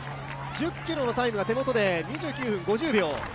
１０ｋｍのタイムが２９分５０秒。